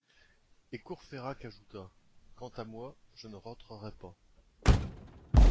Et Courfeyrac ajouta: — Quant à moi, je ne rentrerai pas.